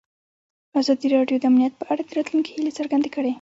ازادي راډیو د امنیت په اړه د راتلونکي هیلې څرګندې کړې.